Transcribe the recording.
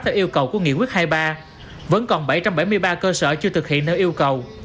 theo yêu cầu của nghị quyết hai mươi ba vẫn còn bảy trăm bảy mươi ba cơ sở chưa thực hiện nơi yêu cầu